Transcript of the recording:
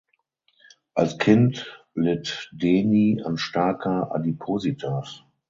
Als Kind litt Deni an starker Adipositas.